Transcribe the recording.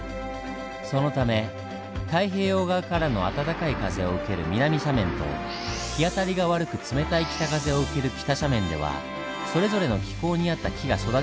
そのため太平洋側からの暖かい風を受ける南斜面と日当たりが悪く冷たい北風を受ける北斜面ではそれぞれの気候に合った木が育ちやすいんです。